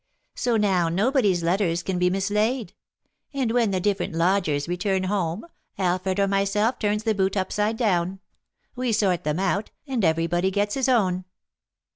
So now nobody's letters can be mislaid; and when the different lodgers return home, Alfred or myself turns the boot upside down, we sort them out, and everybody gets his own."